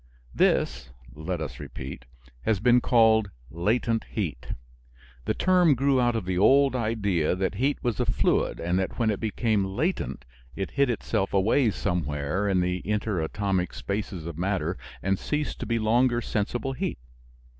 This (let us repeat) has been called latent heat. The term grew out of the old idea that heat was a fluid and that when it became latent it hid itself away somewhere in the interatomic spaces of matter and ceased to be longer sensible heat.